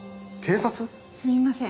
すみません。